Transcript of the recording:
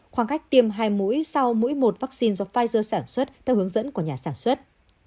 khoảng cách tiêm hai mũi sau mũi một vaccine do pfizer sản xuất theo hướng dẫn của nhà sản xuất